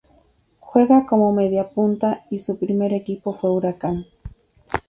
Juega como mediapunta y su primer equipo fue Huracán.